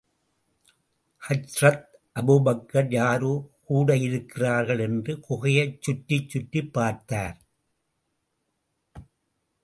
ஹஜ்ரத் அபூபக்கர் யாரோ கூட இருக்கிறார்கள் என்று குகையைச் சுற்றிச் சுற்றிப் பார்த்தார்.